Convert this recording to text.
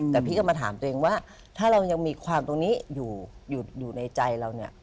แต่พี่ก็มาถามตัวเองว่าถ้าเรายังมีความตรงนี้อยู่ในใจเราเนี่ย